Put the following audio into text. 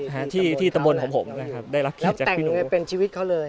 งานที่นำที่ทำวลของผมนะครับได้รับเกียรติจากพี่หนู